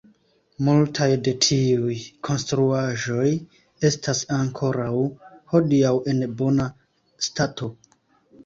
Multaj de tiuj konstruaĵoj estas ankoraŭ hodiaŭ en bona stato.